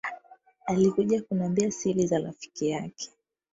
Alikuja kunambia siri za rafiki yake